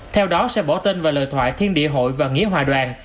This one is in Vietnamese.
theo đó sẽ bỏ tên vào lời thoại thiên địa hội và nghĩa hòa đoàn